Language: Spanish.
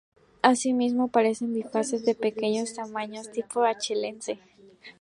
Asimismo, aparecen bifaces de pequeño tamaño tipo achelense.